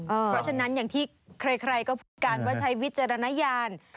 เพราะฉะนั้นอย่างที่ใครก็พูดกันว่าใช้วิจารณญาณ